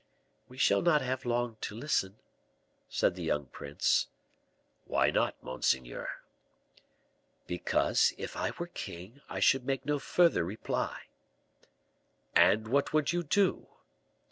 "We shall not have long to listen," said the young prince. "Why not, monseigneur?" "Because, if I were king, I should make no further reply." "And what would you do?"